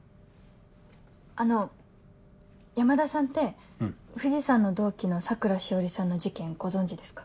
あの山田さんって藤さんの同期の桜しおりさんの事件ご存じですか？